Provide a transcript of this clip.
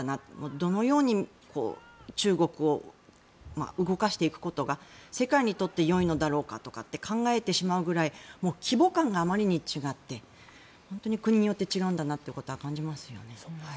どのように中国を動かしていくことが世界にとってよいのだろうかとかって考えてしまうぐらい規模感があまりに違って本当に国によって違うんだなということは感じますよね。